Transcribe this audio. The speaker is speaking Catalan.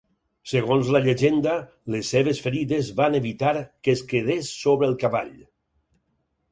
Segons la llegenda, les seves ferides van evitar que es quedés sobre el cavall.